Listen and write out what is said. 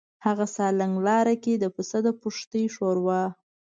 هغه سالنګ لاره کې د پسه د پښتۍ ښوروا.